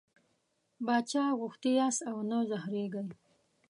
باچا غوښتي یاست او نه زهرېږئ.